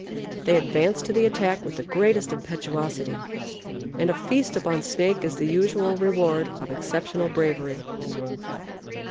They advance to the attack with the greatest impetuosity, and a feast upon snake is the usual reward of exceptional bravery.